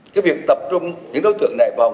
cái việc tập trung những đối tượng này vào